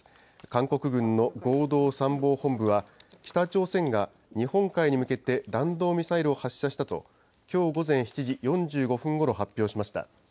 韓国軍の合同参謀本部は、北朝鮮が日本海に向けて弾道ミサイルを発射したと、きょう午前７時４５分ごろ、発表しました。